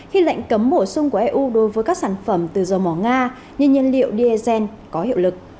khi lệnh cấm bổ sung của eu đối với các sản phẩm từ dầu mỏ nga như nhiên liệu diesel có hiệu lực